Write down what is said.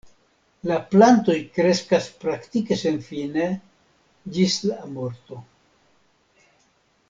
La plantoj kreskas praktike senfine, ĝis la morto.